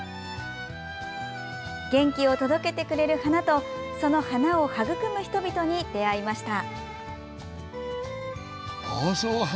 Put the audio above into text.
元気を届けてくれる花とその花を育む人々に出会いました。